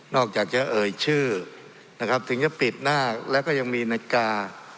อกจากจะเอ่ยชื่อนะครับถึงจะปิดหน้าแล้วก็ยังมีนาฬิกา